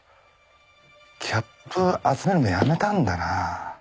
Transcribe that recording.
キャップ集めるのやめたんだな。